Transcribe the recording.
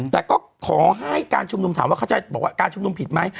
แต่ก็ขอให้การชุมนุมถามว่าเขาจะบอกว่าการชุมนุมผิดไหม